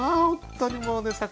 本当にもうね